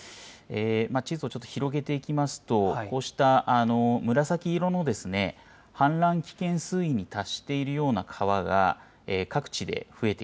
地図をちょっと広げていきますと、こうした紫色の氾濫危険水位に達しているような川が各地で増えて